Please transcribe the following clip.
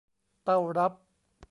เต้ารับ